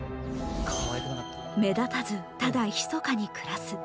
目立たずただひそかに暮らす。